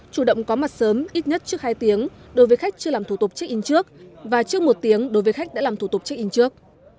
chủ động có mặt sớm ít nhất trước hai tiếng đối với khách chưa làm thủ tục check in trước và trước một tiếng đối với khách đã làm thủ tục check in trước